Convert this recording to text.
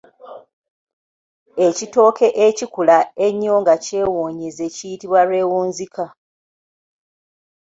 Ekitooke ekikula ennyo nga kyewunyize kiyitibwa lwewunzika.